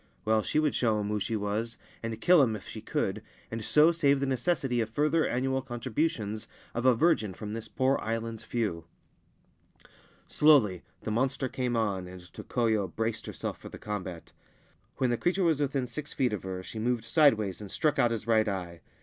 Well, she would show him who she was, and kill him if she could, and so save the necessity of further annual con tributions of a virgin from this poor island's few. Slowly the monster came on, and Tokoyo braced herself for the combat. When the creature was within six feet of her, she moved sideways and struck out his right eye.